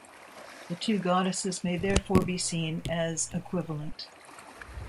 The two goddesses may therefore be seen as equivalent.